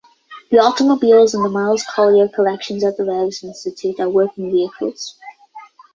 The automobiles in the Miles Collier Collections at the Revs Institute are working vehicles.